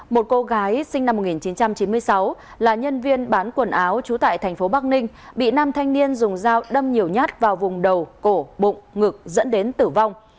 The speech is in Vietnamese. một cô gái sinh năm một nghìn chín trăm chín mươi sáu là nhân viên bán quần áo trú tại thành phố bắc ninh bị nam thanh niên dùng dao đâm nhiều nhát vào vùng đầu cổ bụng ngực dẫn đến tử vong